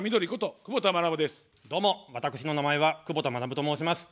どうも私の名前は、くぼた学と申します。